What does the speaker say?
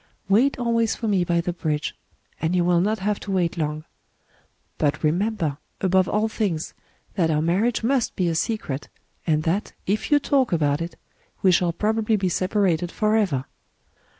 Wait always for me by the bridge; and you will not have to wait long. But remember, above all things, that our marriage must be a secret, and that, if you talk about it, we shall probably be separated forever.